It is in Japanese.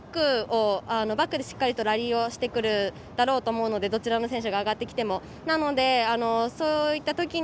バックでしっかりとラリーをしてくるだろうと思うんでどちらの選手が上がってきても。